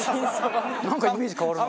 なんかイメージ変わるな。